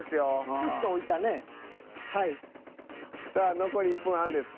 さあ残り１分半です。